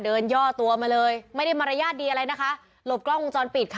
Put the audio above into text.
ย่อตัวมาเลยไม่ได้มารยาทดีอะไรนะคะหลบกล้องวงจรปิดค่ะ